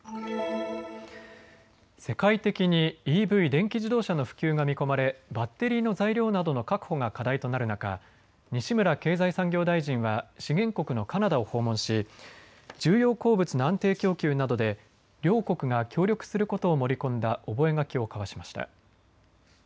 世界的にＥＶ・電気自動車の普及が見込まれバッテリーの材料などの確保が課題となる中、西村経済産業大臣は資源国のカナダを訪問し重要鉱物の安定供給などで両国が協力することを盛り込んだ覚書を交わしました。